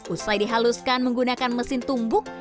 usai dihaluskan menggunakan mesin tumbuk